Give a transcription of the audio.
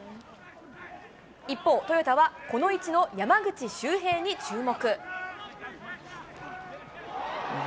一方、トヨタはこの位置の山口修平に注目。